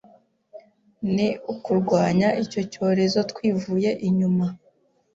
ni ukurwanya icyo cyorezo twivuye inyuma